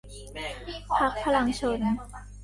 พรรคพลังชล